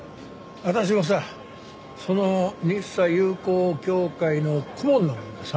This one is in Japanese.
私もさその日サ友好協会の顧問なもんでさ。